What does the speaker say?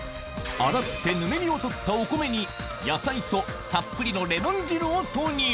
洗ってぬめりを取ったお米に野菜とたっぷりのレモン汁を投入！